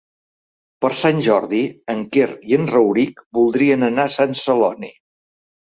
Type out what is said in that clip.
Per Sant Jordi en Quer i en Rauric voldrien anar a Sant Celoni.